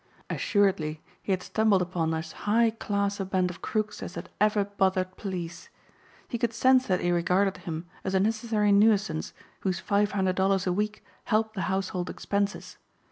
Assuredly he had stumbled upon as high class band of crooks as had ever bothered police. He could sense that they regarded him as a necessary nuisance whose five hundred dollars a week helped the household expenses.